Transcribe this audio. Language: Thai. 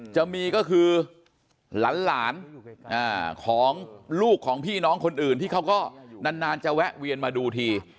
จะมีก็คือหลานของลูกของพี่น้องคนอื่นที่เขาก็นานจะแวะเวียนมาดูที